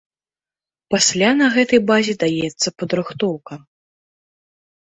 Пасля на гэтай базе даецца падрыхтоўка.